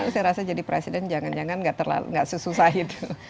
saya rasa jadi presiden jangan jangan nggak sesusah itu